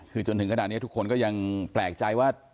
คือจนถึงขนาดนี้ทุกคนก็ยังแปลกใจว่า